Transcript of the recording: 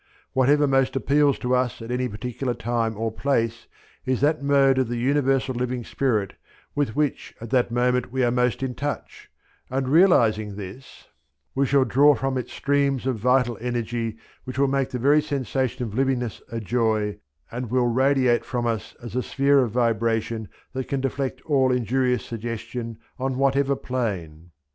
Whatever most appeals to us at any particular time or place is that mode of the universal living spirit with which at that moment we are most in touch, and realizing this, we shall draw from it streams of vital energy which will make the very sensation of livingness a joy and will radiate from us as a sphere of vibration that can deflect all injurious suggestion on whatever plane.